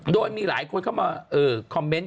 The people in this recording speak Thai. โดยมีหลายคนเข้ามาคอมเมนต์